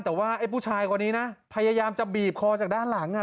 ลูกก็พูดกับรู้สึกที่เป็นพ่อเป็นแม่นะ